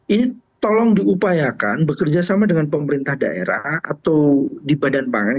ini tolong diupayakan bekerja sama dengan pemerintah daerah atau di badan pangan